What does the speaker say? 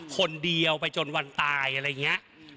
คนเดียวไปจนวันตายอะไรอย่างนี้